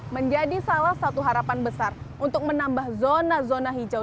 menjadi salah satu harapan besar untuk menambah zona zona hijau